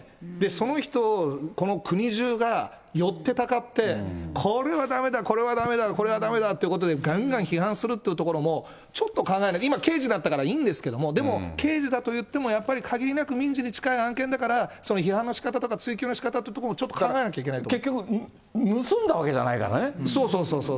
その人を、この国中が寄ってたかって、これはだめだ、これはだめだ、これはだめだってことで、がんがん批判するというところも、ちょっと考えなきゃ、今、刑事だったからいいんですけども、でも刑事だといっても、やっぱり限りなく民事に近い案件だから、批判のしかたとか追及のしかたというところも、ちょっと考えなき結局、盗んだわけじゃないかそうそうそうそう。